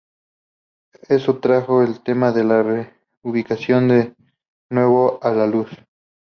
Esto trajo el tema de la reubicación de nuevo a la luz.